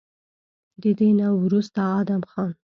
د دې نه وروستو ادم خان